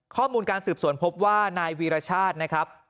ข้อมูลการสืบสวนพบว่านายวีรชาตินะครับ